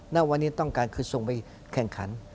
ณวันนี้ต้องการคือส่งไปแข่งขัน